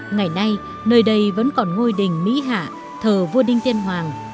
ngày nay nơi đây vẫn còn ngôi đình mỹ hạ thờ vua đinh tiên hoàng